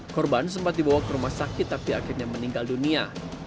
korban sempat dibawa ke rumah sakit tapi akhirnya meninggal dunia